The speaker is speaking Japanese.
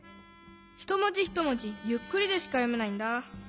ひともじひともじゆっくりでしかよめないんだ。